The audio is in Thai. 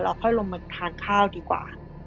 ค่อยลงมาทานข้าวดีกว่า